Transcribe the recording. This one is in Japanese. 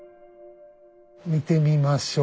見てみましょう。